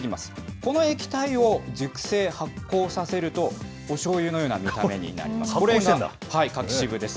この液体を熟成・発酵させると、おしょうゆのような見た目になります。